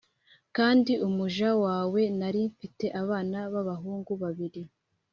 Kandi umuja wawe nari mfite abana b’abahungu babiri